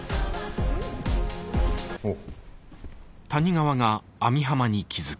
おっ。